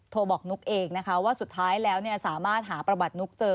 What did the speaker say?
โทรบอกนุ๊กเองนะคะว่าสุดท้ายแล้วสามารถหาประวัตินุ๊กเจอ